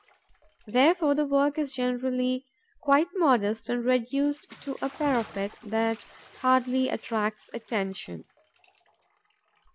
Wherefore the work is generally quite modest and reduced to a parapet that hardly attracts attention.